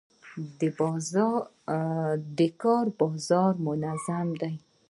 د کار بازار یې منظم دی.